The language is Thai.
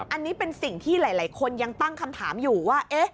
อันนี้เป็นสิ่งที่หลายคนยังตั้งคำถามอยู่ว่า